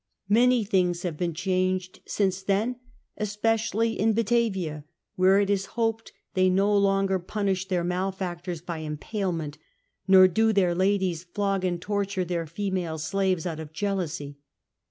Many things have been changed since then, especially in Batavia, where, it is hoped, they no longer punish their malefactors by im palement, nor do their ladies flog and torture their female slaves out of jealousy.